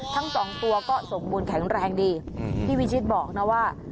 ทั้งสองตัวก็สมบูรณแข็งแรงดีพี่วิชิตบอกนะว่า